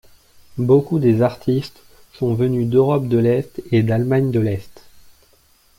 Beaucoup des artistes sont venus d'Europe de l'Est et d'Allemagne de l'Est.